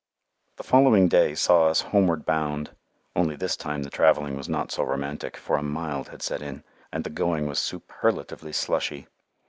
The following day saw us homeward bound, only this time the travelling was not so romantic, for a "mild" had set in, and the going was superlatively slushy.